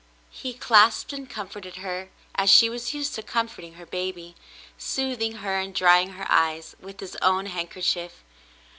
He clasped and comforted her as she was used to comfort her baby, soothing her and drying her eyes with his own handkerchief.